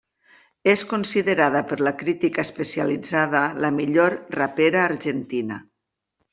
És considerada per la crítica especialitzada la millor rapera argentina.